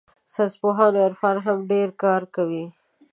ساینسپوهان او عرفا هم پرې کار کوي.